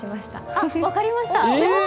あっ、分かりました。